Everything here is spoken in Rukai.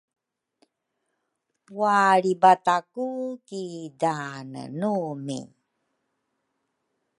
Walribataku ki daanenumi.